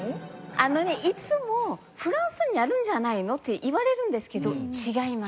あのねいつも「フランスにあるんじゃないの？」って言われるんですけど違います。